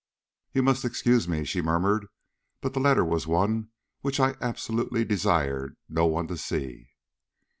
"You must excuse me," she murmured; "but the letter was one which I absolutely desired no one to see."